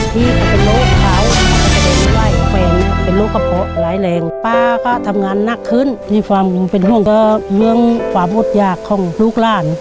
พี่เป็นโลกขาวเป็นกระโปะหลายแรงป้าก็ทำงานหนักขึ้นมีความเป็นห่วงเพื่อเรื่องความอดยากของลูกร่าน